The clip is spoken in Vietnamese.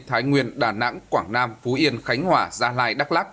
thái nguyên đà nẵng quảng nam phú yên khánh hòa gia lai đắk lắc